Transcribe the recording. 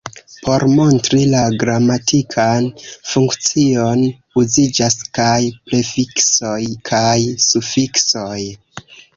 Por montri la gramatikan funkcion, uziĝas kaj prefiksoj kaj sufiksoj.